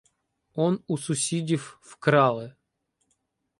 Он у сусідів вкрали.